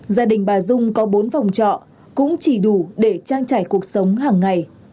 gia đình bà dung có bốn phòng trọ cũng chỉ đủ để trang trải cuộc sống hàng ngày